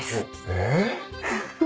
えっ？